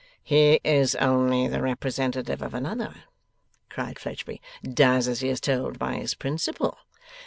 'He is only the representative of another!' cried Fledgeby. 'Does as he is told by his principal!